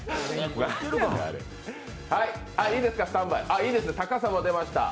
いいですね、高さも出ました。